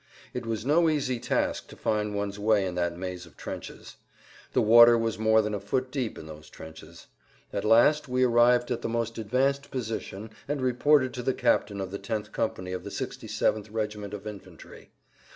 It was no easy task to find one's way in that maze of trenches. The water was more than a foot deep in those trenches. At last we arrived at the most advanced position and reported to the captain of the tenth company of the 67th regiment of infantry.